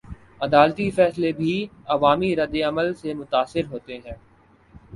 عدالتی فیصلے بھی عوامی ردعمل سے متاثر ہوتے ہیں؟